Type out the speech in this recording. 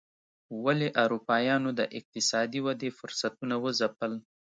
ولې اروپایانو د اقتصادي ودې فرصتونه وځپل.